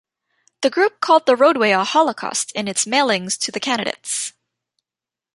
The group called the roadway a "holocaust" in its mailings to the candidates.